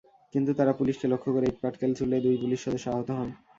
কিন্তু তাঁরা পুলিশকে লক্ষ্য করে ইটপাটকেল ছুড়লে দুই পুলিশ সদস্য আহত হন।